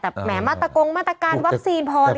แต่แหมมาตรกงมาตรกันวัคซีนพอหรือยัง